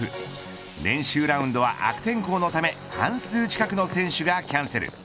練習ラウンドは悪天候のため半数近くの選手がキャンセル。